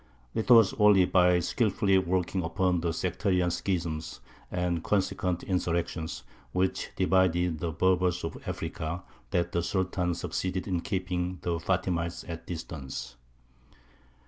It was only by skilfully working upon the sectarian schisms, and consequent insurrections, which divided the Berbers of Africa, that the Sultan succeeded in keeping the Fātimites at a distance.